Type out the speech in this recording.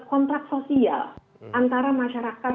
kontrak sosial antara masyarakat